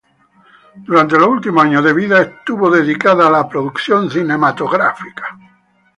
Durante los últimos años de vida, estuvo dedicada a la producción cinematográfica.